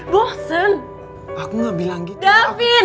bosen aku bilang gitu david